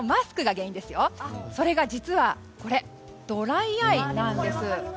実はドライアイなんです。